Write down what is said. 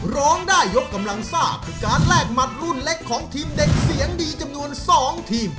ร้องได้ยกกำลังซ่าคือการแลกหมัดรุ่นเล็กของทีมเด็กเสียงดีจำนวน๒ทีม